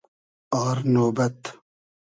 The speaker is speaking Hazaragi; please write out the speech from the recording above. آر نۉبئد